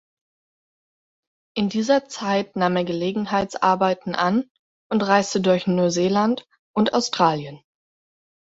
In dieser Zeit nahm er Gelegenheitsarbeiten an und reiste durch Neuseeland und Australien.